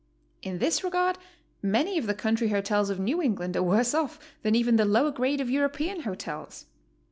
In this regard many of the country hotels of New England are worse off than even the lower grade of European hotels.